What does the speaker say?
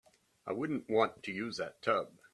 I wouldn't want to use that tub.